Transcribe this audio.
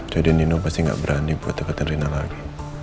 jadi nino pasti gak berani buat deketin rina lagi